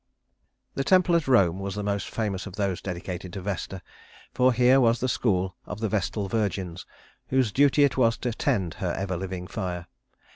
The temple at Rome was the most famous of those dedicated to Vesta, for here was the school of the Vestal Virgins whose duty it was to tend her ever living fire.